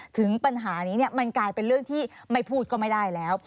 ถึงปัญหานี้มันกลายเป็นเรื่องที่ไม่พูดก็ไม่ได้แล้ว